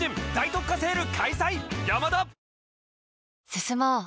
進もう。